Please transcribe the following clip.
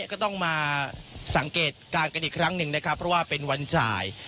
ก็ต้องมาสังเกตการณ์กันอีกครั้งหนึ่งนะครับเพราะว่าเป็นวันจ่าย